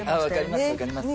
あ分かります